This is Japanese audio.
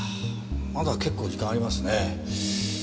まだ結構時間ありますね。